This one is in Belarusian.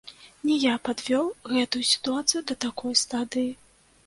Не я падвёў гэтую сітуацыю да такой стадыі.